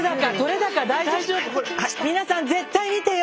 皆さん絶対見てよ！